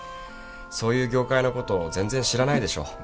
そういう業界のことを全然知らないでしょ